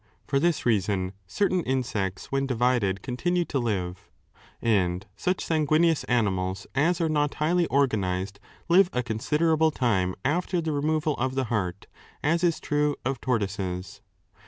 For this reason certain insects, when divided, continue to live, and such sanguineous animals as are not highly organized live a considerable time after the removal of the heart, as is true of tortoises.